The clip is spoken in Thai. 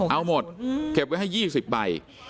เอาหมดเก็บไว้ให้๒๐ใบ